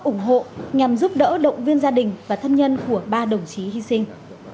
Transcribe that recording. ủng hộ nhằm giúp đỡ động viên gia đình và thân nhân của ba đồng chí hy sinh